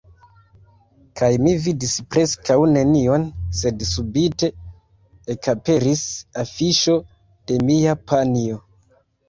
Kaj mi vidis preskaŭ nenion, sed subite, ekaperis afiŝo de mia panjo.